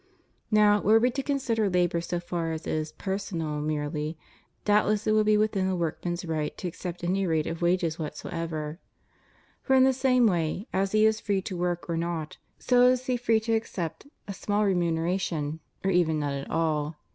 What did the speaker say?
Now, were we to consider labor so far as it is personal merely, doubtless it would be within the workman's right to accept any rate of wages whatsoever; for in the same way as he is free to work or not, so is he free to accept a small remuneration or even none at all.